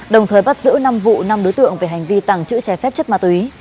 đồng thời bắt giữ năm vụ năm đối tượng về hành vi tàng trữ trái phép chất ma túy